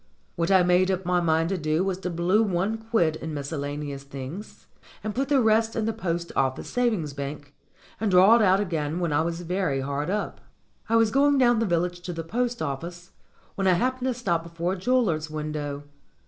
What I made up my mind to do was to blue one quid in miscellane ous things, and put the rest in the Post Office Savings Bank and draw it out again when I was very hard up. I was going down the village to the post office, when I happened to stop before a jeweller's window.